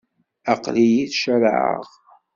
Aql-iyi ttcaraɛeɣ.